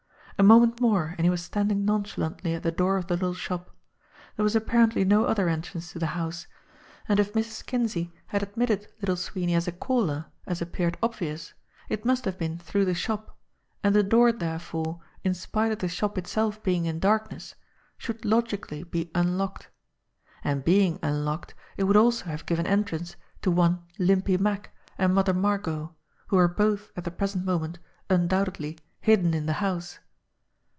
A moment more, and he was standing nonchalantly at the door of the little shop. There was apparently no other en trance to the house, and if Mrs. Kinsey had admitted Little Sweeney as a caller, as appeared obvious, it must have been through the shop, and the door therefore, in spite of the shop itself being in darkness, should logically be unlocked. And being unlocked it would also have given entrance to one Limpy Mack and Mother Margot, who were both at the present moment undoubtedly hidden in the house.